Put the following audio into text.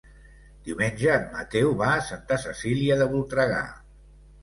Diumenge en Mateu va a Santa Cecília de Voltregà.